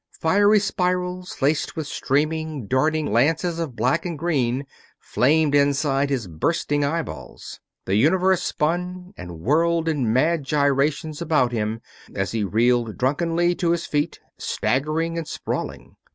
Fiery spirals, laced with streaming, darting lances of black and green, flamed inside his bursting eyeballs. The Universe spun and whirled in mad gyrations about him as he reeled drunkenly to his feet, staggering and sprawling.